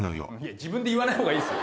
自分で言わない方がいいですよ